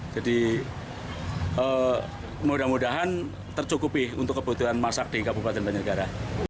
jadi mudah mudahan tercukupi untuk kebutuhan masak di kabupaten banjar negara